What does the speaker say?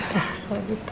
ya kalau gitu